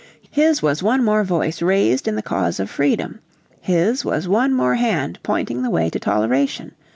His was one more voice raised in the cause of freedom. His was one more hand pointing the way to toleration.